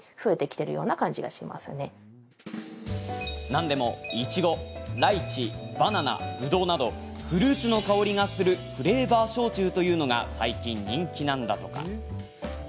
なんでも、いちご、ライチバナナ、ぶどうなどフルーツの香りがするフレーバー焼酎というのが最近、人気なんだとか。